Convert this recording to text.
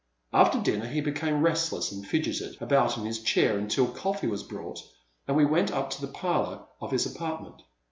After dinner he became restless and fidgeted about in his chair until coffee was brought, and we went up to the parlour of our apartment.